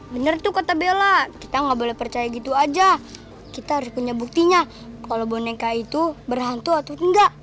bener tuh kata bella kita nggak boleh percaya gitu aja kita harus punya buktinya kalau boneka itu berhantu atau enggak